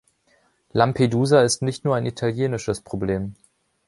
Lampedusa ist nicht nur ein italienisches Problem.